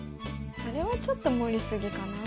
それはちょっと盛り過ぎかなあ？